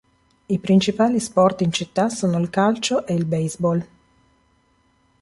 I principali sport in città sono il calcio e il baseball.